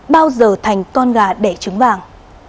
bao giờ thành con gà đẻ trứng vàng